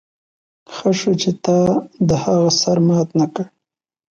ښه شو چې تا د هغه سر مات نه کړ